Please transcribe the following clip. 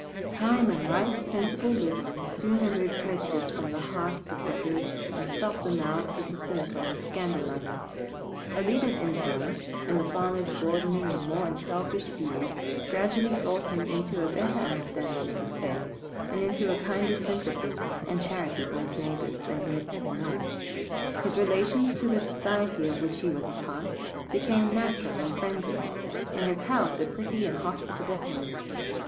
Time and right, sensible living soon remove prejudice from the hearts of the good and stop the mouths of the cynical and scandal loving. Alida's influence, and the farmer's broadening and more unselfish views gradually bought him into a better understanding of his faith, and into a kinder sympathy and charity for his neighbors than he had ever known. His relations to the society of which he was a part became natural and friendly, and his house a pretty and a hospitable home.